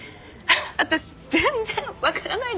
私全然わからないですもん。